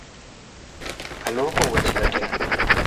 Alwoko wuoch ga tee